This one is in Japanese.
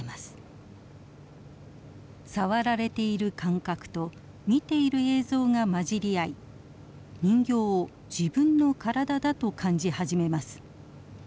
触られている感覚と見ている映像が混じり合い人形を自分の体だと感じ始めます。